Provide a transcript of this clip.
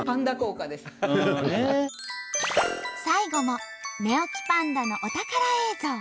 最後も寝起きパンダのお宝映像。